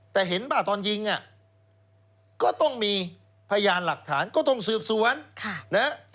แต่เห็นป่ะตอนยิงอ่ะก็ต้องมีพยานหลักฐานก็ต้องสืบสวนนะฮะ